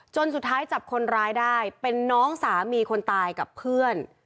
สุดท้ายจับคนร้ายได้เป็นน้องสามีคนตายกับเพื่อน